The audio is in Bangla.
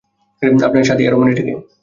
আপনার সাথী এ রমণীটি কে?